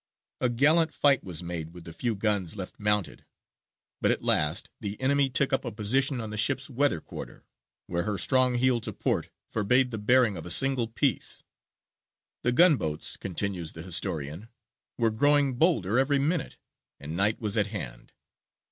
A gallant fight was made with the few guns left mounted, but at last the enemy took up a position on the ship's weather quarter, where her strong heel to port forbade the bearing of a single piece. "The gun boats," continues the historian, "were growing bolder every minute, and night was at hand.